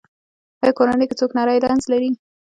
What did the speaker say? ایا کورنۍ کې څوک نری رنځ لري؟